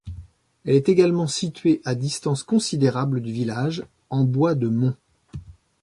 Elle est également située à distance considérable du village, en Bois de Mont.